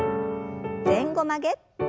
前後曲げ。